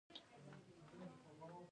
انجینر باید د صداقت او ریښتینولی خاوند وي.